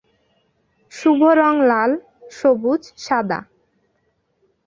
শুভ রং লাল, সবুজ, সাদা।